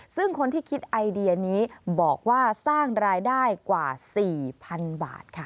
ซึ่งคนที่คิดไอเดียนี้บอกว่าสร้างรายได้กว่า๔๐๐๐บาทค่ะ